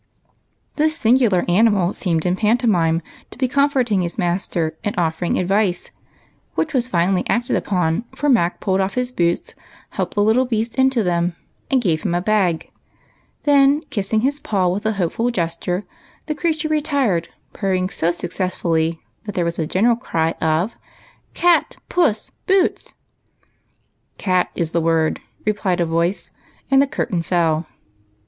This singular animal seemed in pantomime to be comforting his master and offering advice, which was finally acted upon, for Mac pulled off his boots, helped the little beast into them, and gave him a bag ; then, kissing his paw with a hopeful gesture, the creature retired, purring so successfully that there was a general cry of " Cat, puss, boots !"" Cat is the word," replied a voice, and the curtain fell.